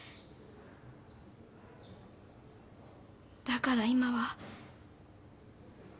だから今は。